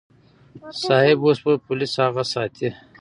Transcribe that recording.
صيب اوس به پوليس اغه ساتي.